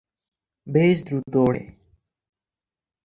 বেশ দ্রুত ওড়ে।